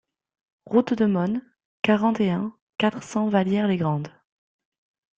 Route de Mosnes, quarante et un, quatre cents Vallières-les-Grandes